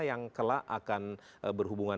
yang kela akan berhubungan